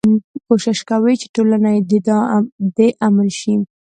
کوشش کوي چې ټولنه يې د امن شي.